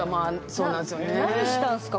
何したんすか？